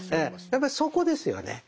やっぱりそこですよね。